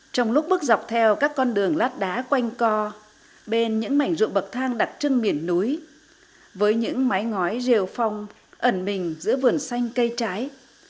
trong lúc bức dọc theo các con đường lát đá quanh co bên những mảnh ruộng bậc thang đặc trưng miền núi với những mái ngói rìu phong ẩn mình giữa vườn xanh cây trái